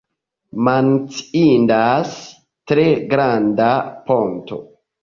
Menciindas tre granda ponto.